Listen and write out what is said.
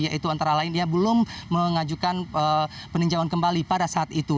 yaitu antara lain ia belum mengajukan peninjauan kembali pada saat itu